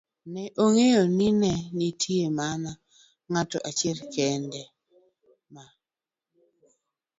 ne ong'eyo ni ne nitie mana ng'at achiel kende ma